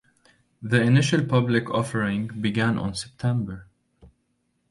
The initial public offering began on September.